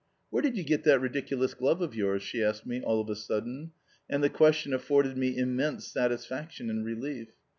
"Where did you get that ridiculous glove of yours?" she asked me all of a sudden, and the question afforded me immense satisfaction and relief.